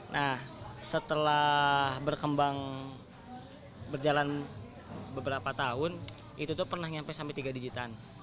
nah setelah berkembang berjalan beberapa tahun itu tuh pernah nyampe sampai tiga digitan